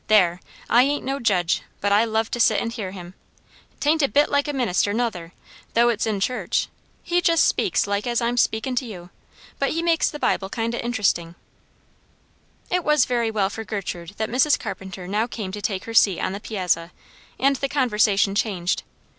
"There! I ain't no judge; but I love to sit and hear him. 'Tain't a bit like a minister, nother, though it's in church; he just speaks like as I am speakin' to you; but he makes the Bible kind o' interestin'." It was very well for Gertrude that Mrs. Carpenter now came to take her seat on the piazza, and the conversation changed.